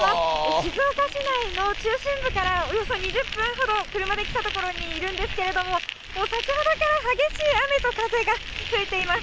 静岡市内の中心部からおよそ２０分ほど車で来た所にいるんですけれども、先ほどから激しい雨と風が吹いています。